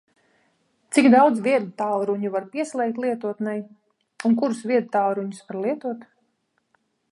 Cik daudz viedtālruņu var pieslēgt lietotnei? Un kurus viedtālruņus var lietot?